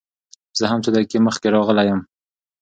زه هم څو دقيقې مخکې راغلى يم.